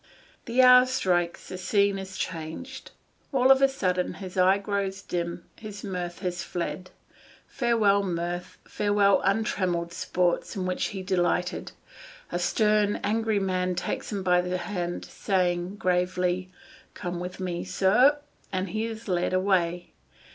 The hour strikes, the scene is changed. All of a sudden his eye grows dim, his mirth has fled. Farewell mirth, farewell untrammelled sports in which he delighted. A stern, angry man takes him by the hand, saying gravely, "Come with me, sir," and he is led away.